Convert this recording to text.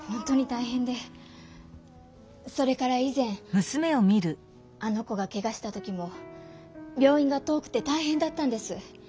それから以前あの子がケガしたときも病院が遠くてたいへんだったんです。